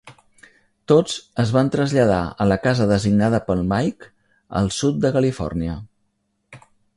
Tots es van traslladar a la casa designada pel Mike al sud de Califòrnia.